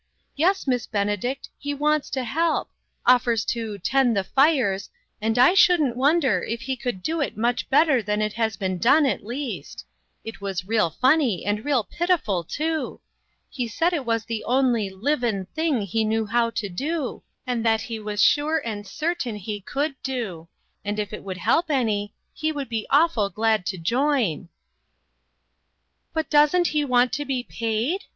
Yes, Miss Benedict, he wants to help ; offers to ' tend the fires,' and I shouldn't wonder if he could do it much better than it has been done at least. It was real funny, and real pitiful, too. He said it was the only 'livin' thing he knew how to do,' and that he was sure and certain he could do, and if it would help any, he would be awful glad to join." "But doesn't he want to be paid?"